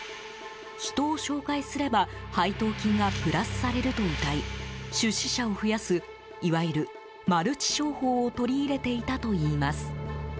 人を紹介すれば配当金がプラスされるとうたい出資者を増やすいわゆる、マルチ商法を取り入れていたといいます。